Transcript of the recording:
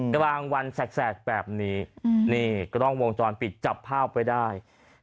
กระบางวันแสกแบบนี้ก็ต้องวงจอดปิดจับภาพไปได้